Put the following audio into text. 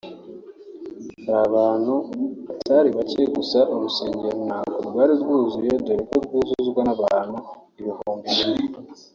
Hari abantu batari bacye gusa urusengero ntabwo rwari rwuzuye dore ko rwuzuzwa n'abantu ibihumbi bine